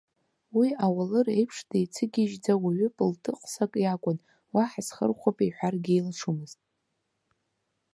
Уи ауалыр еиԥш деицыгьежьӡа, уаҩы пылтыҟсак иакәын, уаҳа схырхәап иҳәаргьы илшомызт.